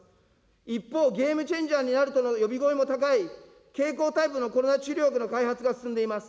一方、ゲームチェンジャーになるとの呼び声も高い、経口タイプのコロナ治療薬の開発が進んでいます。